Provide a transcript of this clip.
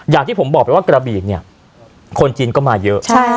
อย่างที่ผมบอกไปว่ากระบีเนี่ยคนจีนก็มาเยอะ